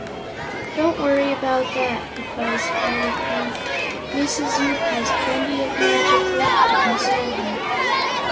"Don't worry about that," advised Polychrome. "Mrs. Yoop has plenty of magic left to console her."